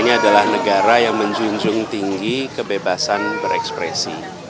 ini adalah negara yang menjunjung tinggi kebebasan berekspresi